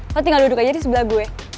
oh tinggal duduk aja di sebelah gue